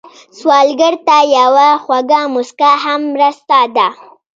سوالګر ته یوه خوږه مسکا هم مرسته ده